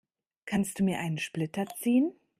Kannst du mir einen Splitter ziehen?